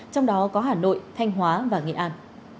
trong đó có hà nội thanh hóa và nghệ an